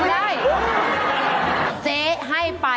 ไปวิโลกะ